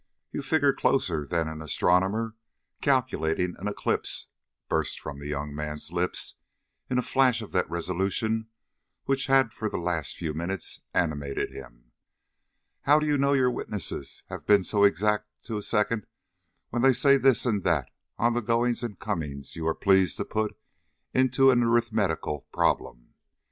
"You figure closer than an astronomer calculating an eclipse," burst from the young man's lips in a flash of that resolution which had for the last few minutes animated him. "How do you know your witnesses have been so exact to a second when they say this and that of the goings and comings you are pleased to put into an arithmetical problem.